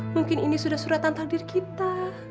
mungkin ini sudah suratan takdir kita